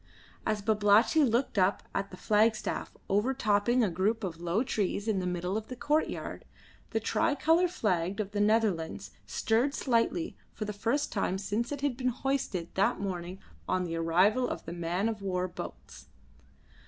As Babalatchi looked up at the flagstaff over topping a group of low trees in the middle of the courtyard, the tricolour flag of the Netherlands stirred slightly for the first time since it had been hoisted that morning on the arrival of the man of war boats.